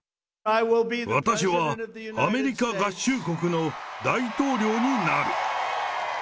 私はアメリカ合衆国の大統領になる。